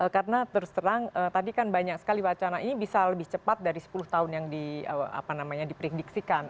karena terus terang tadi kan banyak sekali wacana ini bisa lebih cepat dari sepuluh tahun yang diprediksikan